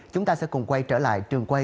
chúng ta sẽ cùng quay trở lại trường quay